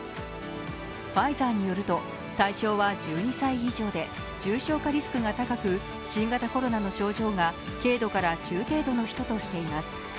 ファイザーによると、対象は１２歳以上で重症化リスクが高く、新型コロナの症状が軽度から中程度の人としています。